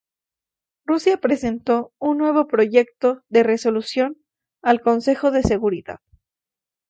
Rusia presentó un nuevo proyecto de resolución al Consejo de Seguridad.